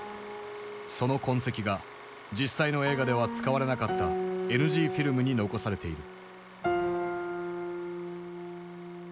その痕跡が実際の映画では使われなかったＮＧフィルムに残されている。